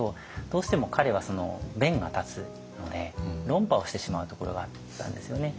どうしても彼は弁が立つので論破をしてしまうところがあったんですよね。